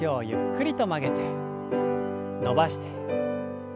伸ばして。